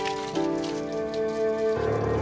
aku mau kita sekedar balik